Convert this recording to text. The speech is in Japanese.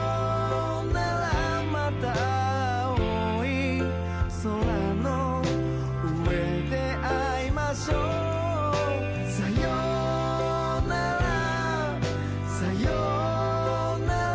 また青い空の上で逢いましょうさようならさようなら